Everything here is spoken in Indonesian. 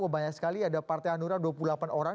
banyak sekali ada partai anugerah dua puluh delapan orang